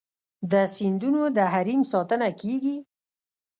د سیندونو د حریم ساتنه کیږي؟